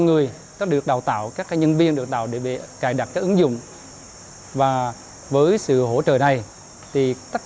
người có được đào tạo các nhân viên được tạo để bị cài đặt các ứng dụng và với sự hỗ trợ này thì tất